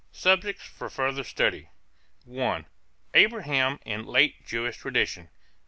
Subjects for Further Study. (1) Abraham in Late Jewish Tradition.